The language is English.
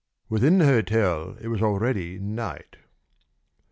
Within the hotel it was already night.